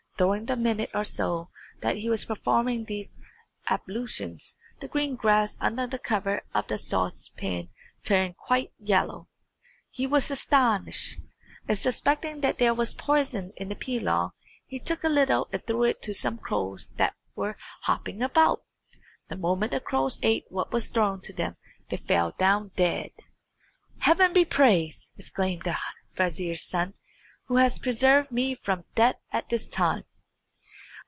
During the minute or so that he was performing these ablutions, the green grass under the cover of the saucepan turned quite yellow. He was astonished, and suspecting that there was poison in the pilaw, he took a little and threw it to some crows that were hopping about. The moment the crows ate what was thrown to them they fell down dead. "Heaven be praised," exclaimed the vizier's son, "who has preserved me from death at this time!"